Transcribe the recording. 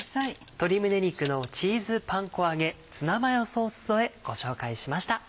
鶏胸肉のチーズパン粉揚げツナマヨソース添えご紹介しました。